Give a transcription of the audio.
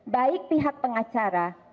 baik pihak pengacara